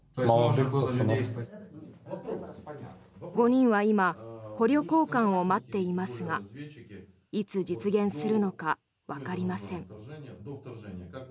５人は今捕虜交換を待っていますがいつ実現するのかわかりません。